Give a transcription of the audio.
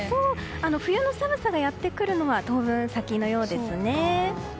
冬の寒さがやってくるのは当分、先のようですね。